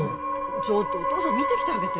ちょっとお父さん見てきてあげて・